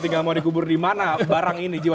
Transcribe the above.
tinggal mau dikubur dimana barang ini